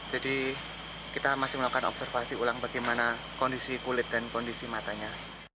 kita masih melakukan observasi ulang bagaimana kondisi kulit dan kondisi matanya